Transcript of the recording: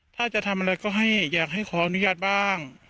ถ้าจะทำอะไรก็ให้อยากให้ขออนุญาตบ้าง